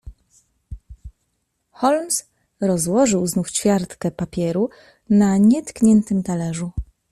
"Holmes rozłożył znów ćwiartkę papieru na nietkniętym talerzu."